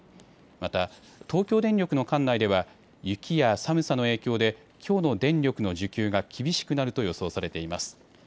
また東京電力の管内では雪や寒さの影響できょうの電力の需給が厳しくなると予想されています。